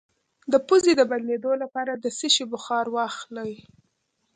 د پوزې د بندیدو لپاره د څه شي بخار واخلئ؟